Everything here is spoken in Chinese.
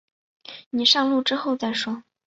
你上路之后再说